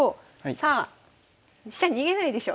さあ飛車逃げないでしょ。